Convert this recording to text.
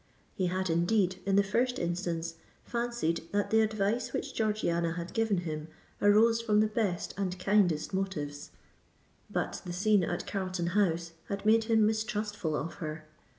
He had indeed, in the first instance, fancied that the advice which Georgiana had given him arose from the best and kindest motives; but the scene at Carlton House had made him mistrustful of her.